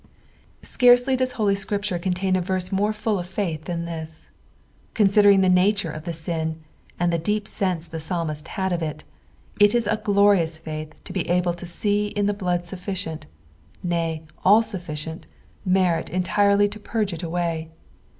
Scarcely does Holy Scripture contain a verse more full of faith than this. Considering the nature of the sin, and the deep sense the jisalmist had of it, it is a glorious faith to be able to see in the blood sufficient, nay, all sufficient merit en tirely to purge it away.